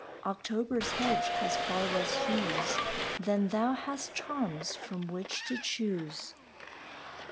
October's hedge has far less hues Than thou hast charms from which to choose.